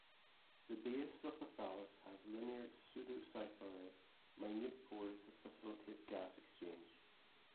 The base of the thallus has linear pseudocyphellae (minute pores that facilitate gas exchange).